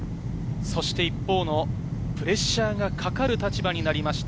一方のプレッシャーがかかる立場になりました、